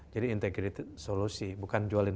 jadi integrated solusi bukan jualin